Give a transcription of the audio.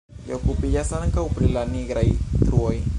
Li okupiĝas ankaŭ pri la nigraj truoj.